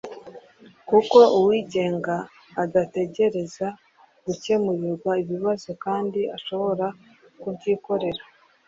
kuko uwigenga adategereza gucyemurirwa ibibazo kandi ashobora kubyikorera